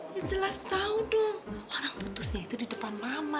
ya jelas tahu dong arah putusnya itu di depan mama